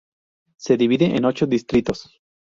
Se divide en ocho distritos.